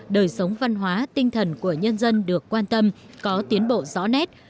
đời sống văn hóa tinh thần của nhân dân được quan tâm có tiến bộ rõ nét